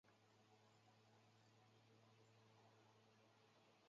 以下记录各参演练习生成员每集观众投票排名名次。